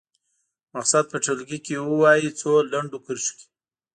مقصد په ټولګي کې ووايي څو لنډو کرښو کې.